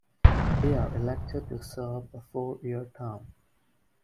They are elected to serve a four-year term.